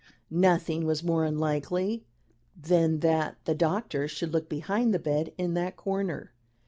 Nothing was more unlikely than that the doctor should look behind the bed in that corner.